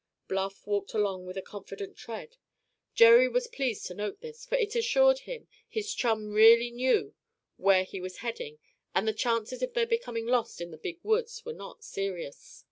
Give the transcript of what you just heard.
Bluff walked along with a confident tread. Jerry was pleased to note this, for it assured him his chum really knew where he was heading and the chances of their becoming lost in the Big Woods were not serious.